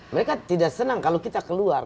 mereka tidak senang kalau kita keluar